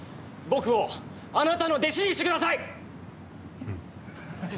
僕をあなたの弟子にしてください。